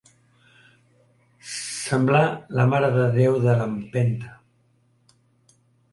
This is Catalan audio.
Semblar la Mare de Déu de l'Empenta.